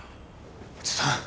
おじさん。